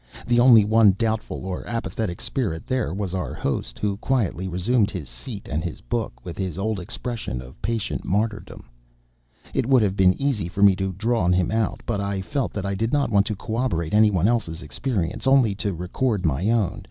The only one doubtful or apathetic spirit there was our host, who quietly resumed his seat and his book, with his old expression of patient martyrdom. It would have been easy for me to have drawn him out, but I felt that I did not want to corroborate anybody else's experience; only to record my own.